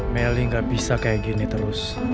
meli gak bisa kayak gini terus